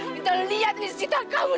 kita lihat disita kamu